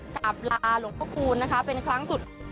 กลับลาหลวงพระคูณนะคะเป็นครั้งสุด